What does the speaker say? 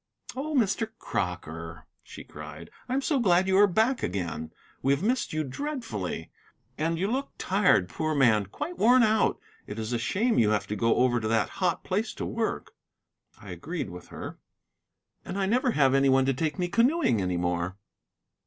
"Oh, Mr. Crocker," she cried, "I am so glad you are back again! We have missed you dreadfully. And you look tired, poor man, quite worn out. It is a shame you have to go over to that hot place to work." I agreed with her. "And I never have any one to take me canoeing any more."